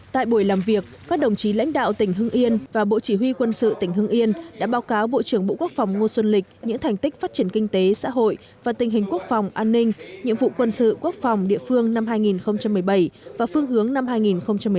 tại buổi làm việc các đồng chí lãnh đạo tỉnh hưng yên và bộ chỉ huy quân sự tỉnh hưng yên đã báo cáo bộ trưởng bộ quốc phòng ngô xuân lịch những thành tích phát triển kinh tế xã hội và tình hình quốc phòng an ninh nhiệm vụ quân sự quốc phòng địa phương năm hai nghìn một mươi bảy và phương hướng năm hai nghìn một mươi chín